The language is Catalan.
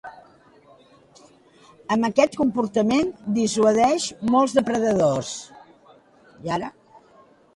Amb aquest comportament dissuadeix molts depredadors.